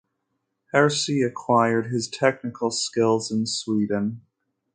Hersi acquired his technical skills in Sweden.